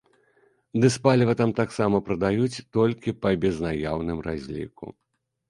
Дызпаліва там таксама прадаюць толькі па безнаяўным разліку.